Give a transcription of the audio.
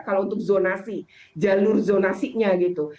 kalau untuk zonasi jalur zonasinya gitu